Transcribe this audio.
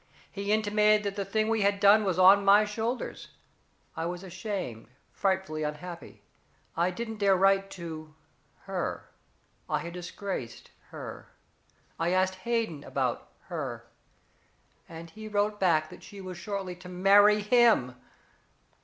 He intimated that the thing we had done was on my shoulders. I was ashamed, frightfully unhappy. I didn't dare write to her. I had disgraced her. I asked Hayden about her, and he wrote back that she was shortly to marry him.